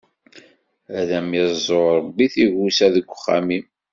Ad am-iẓẓu Ṛebbi tigusa deg uxxam-im!